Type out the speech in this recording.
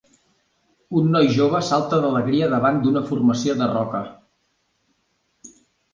Un noi jove salta d'alegria davant d'una formació de roca